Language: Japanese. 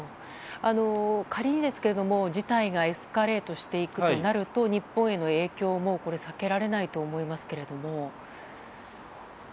仮にですけれども事態がエスカレートしていくとなると日本への影響も避けられないと思いますけれども。